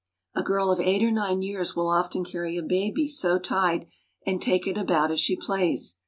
A girl of eight or nine years will often carry a baby so tied, and take it about as she plays.